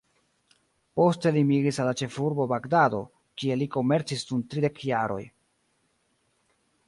Poste li migris al la ĉefurbo Bagdado, kie li komercis dum tridek jaroj.